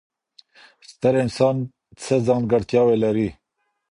ستر انسان څه ځانګړتیاوې لري؟